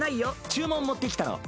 注文持ってきたの。